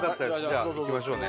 じゃあ行きましょうね。